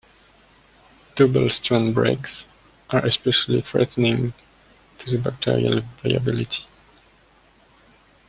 Double-strand breaks are especially threatening to bacterial viability.